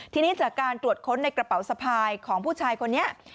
ทีนี้จากการตรวจค้นในกระเป๋าสะพายของผู้ชายคนนี้